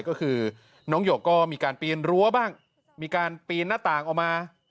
ก็คือน้องหยกก็มีการปีนรั้วบ้างมีการปีนหน้าต่างออกมา